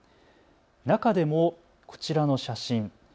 中でもこちらの写真。